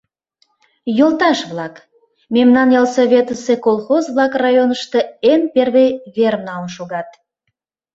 Йолташ-влак, мемнан ялсоветысе колхоз-влак районышто эн первый верым налын шогат.